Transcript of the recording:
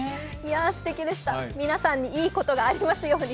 すてきでした、皆さんにいいことがありますように。